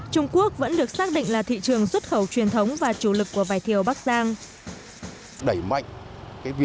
trung quốc vẫn được xác định là thị trường xuất khẩu truyền thống và chủ lực của vải thiều bắc giang